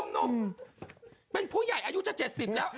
หนุ่มเป็นผู้ใหญ่อายุจะ๗๐แล้ว